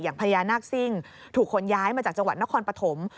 พญานาคซิ่งถูกคนย้ายมาจากจังหวัดนครปฐม